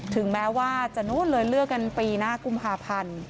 ถึงแม้ว่าจะนู่นเลยเลือกกันปีหน้ากุมภาพันธ์